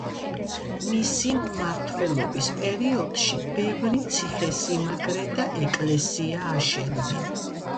მისი მმართველობის პერიოდში ბევრი ციხესიმაგრე და ეკლესია აშენდა.